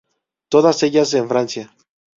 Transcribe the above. Todas ellas en Francia.